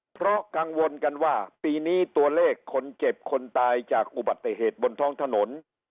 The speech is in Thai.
เพราะกังวลกันว่าปีนี้ตัวเลขคนเจ็บคนตายจากอุบัติเหตุบนท้องถนน